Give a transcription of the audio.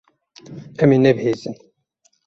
Em ê nebihîzin.